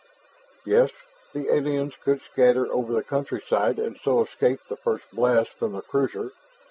Yes; the aliens could scatter over the countryside and so escape the first blast from the cruiser.